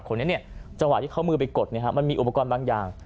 คนนี้จังหวะที่เขามือไปกดมันมีอุปกรณ์บางอย่าง